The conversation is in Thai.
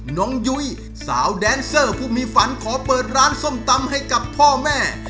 ยุ้ยสาวแดนเซอร์ผู้มีฝันขอเปิดร้านส้มตำให้กับพ่อแม่